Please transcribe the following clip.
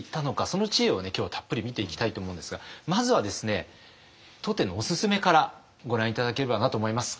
その知恵を今日はたっぷり見ていきたいと思うんですがまずはですね当店のおすすめからご覧頂ければなと思います。